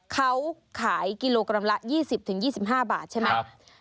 เขาขายกิโลกรัมละ๒๐๒๕บาทใช่ไหม